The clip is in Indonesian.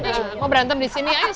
mau berantem di sini aja